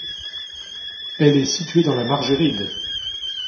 Elle est située dans la Margeride.